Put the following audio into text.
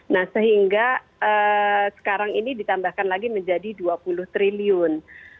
nah sehingga sekarang ini ditambahkan lagi menjadi dua puluh triliun